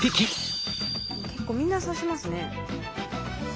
結構みんな刺しますね。